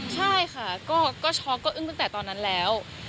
ใช่ค่ะก็ช็อกก็อึ้งตั้งแต่ตอนนั้นแล้ว